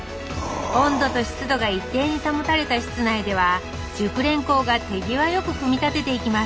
温度と湿度が一定に保たれた室内では熟練工が手際よく組み立てていきます